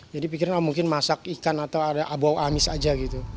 jadi pikiran mungkin masak ikan atau ada bau amis saja